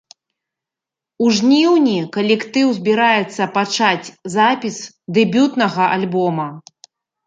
У жніўні калектыў збіраецца пачаць запіс дэбютнага альбома.